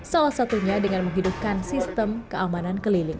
salah satunya dengan menghidupkan sistem keamanan keliling